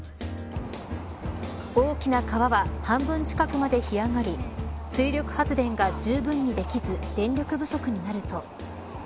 大きな川は半分近くまで干上がり水力発電がじゅうぶんにできず電力不足になると。